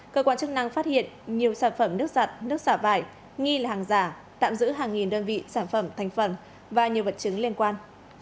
cơ quan chức năng phát hiện nhiều sản phẩm nước giặt nước xả vải nghi là hàng giả tạm giữ hàng nghìn đơn vị sản phẩm thành phần và nhiều vật chứng liên quan